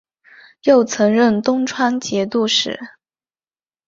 又曾任东川节度使。